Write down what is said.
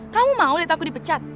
kamu mau lihat aku dipecat